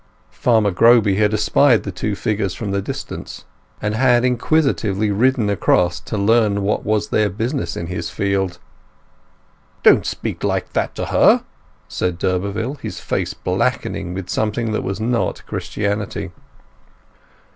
Farmer Groby had espied the two figures from the distance, and had inquisitively ridden across, to learn what was their business in his field. "Don't speak like that to her!" said d'Urberville, his face blackening with something that was not Christianity.